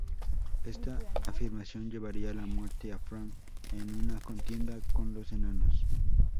Esta afirmación llevaría a la muerte a Fram en una contienda con los enanos.